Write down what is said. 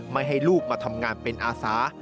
ไม่ให้ลูกมาทำงานเป็นอาสา